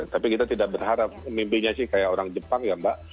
tapi kita tidak berharap mimpinya sih kayak orang jepang ya mbak